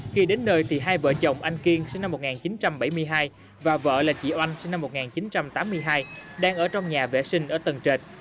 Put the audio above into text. khi đến nơi thì hai vợ chồng anh kiên sinh năm một nghìn chín trăm bảy mươi hai và vợ là chị oanh sinh năm một nghìn chín trăm tám mươi hai đang ở trong nhà vệ sinh ở tầng trệt